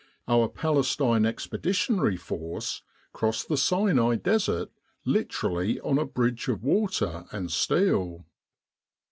Our Palestine Expeditionary Force crossed the Sinai Desert literally on a bridge of water and steel.